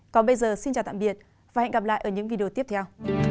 còn bây giờ xin chào tạm biệt và hẹn gặp lại ở những video tiếp theo